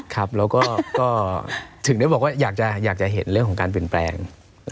ครับแล้วก็ถึงได้บอกว่าอยากจะเห็นเรื่องของการเปลี่ยนแปลง